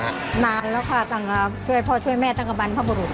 นานแล้วค่ะพอช่วยแม่นังกะบรรณภพบรุษ